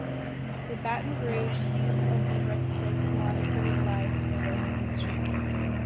The Baton Rouge use of the "Red Sticks" moniker lies in local history.